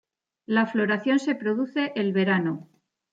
La floración se produce el verano.